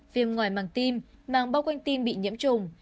viêm ngoài màng tim màng bao quanh tim bị nhiễm trùng